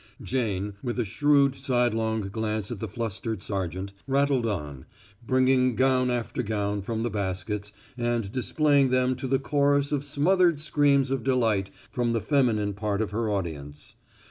Jane, with a shrewd sidelong glance at the flustered sergeant, rattled on, bringing gown after gown from the baskets and displaying them to the chorus of smothered screams of delight from the feminine part of her audience.